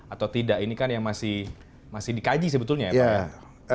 atau tidak ini kan yang masih dikaji sebetulnya ya pak ya